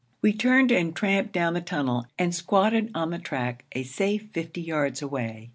We turned and tramped down the tunnel and squatted on the track a safe fifty yards away.